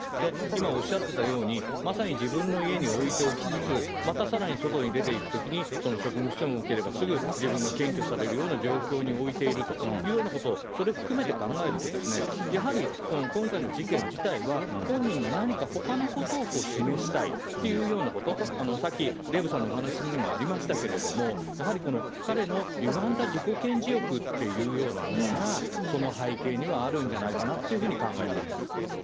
今、おっしゃってたように、まさに自分の家に置いておきつつ、またさらに外に出ていくときに、その職務質問を受ければすぐ自分が検挙されるような状況においているというようなこと、それ含めて考えると、やはり今回の事件自体は、本人が何かほかのことを示したいというようなこと、さっきデーブさんのお話にもありましたけれども、やはりこの彼のゆがんだ自己顕示欲というようなものが、その背景にはあるんじゃないかなというふうに考えています。